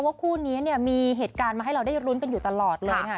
ว่าคู่นี้มีเหตุการณ์ให้เราได้รุ้นกันอยู่ตลอดเลย